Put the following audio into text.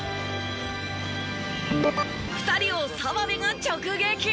２人を澤部が直撃！